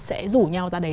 sẽ rủ nhau ra đấy